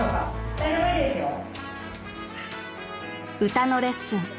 ［歌のレッスン］